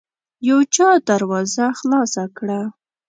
يو چا دروازه خلاصه کړه.